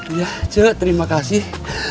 iya ce terimakasih